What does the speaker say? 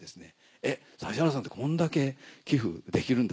「えっ指原さんってこんだけ寄付できるんだ。